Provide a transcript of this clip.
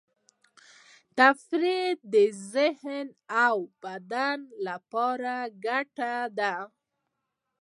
تفریح د ذهن او بدن لپاره ګټور دی.